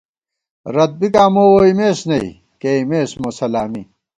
رت بِکاں مو ووئیمېس نئ، کېئیمېس مو سلامی